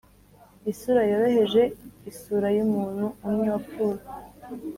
isura yoroheje - isura yumuntu umwe wapfuye -